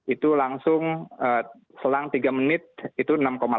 itu langsung selang tiga menit itu enam tujuh